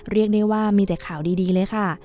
เรียกได้ว่ามีแต่ข่าวดีเลยค่ะ